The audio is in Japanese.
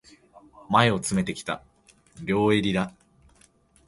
前を詰めてきた、両襟だ。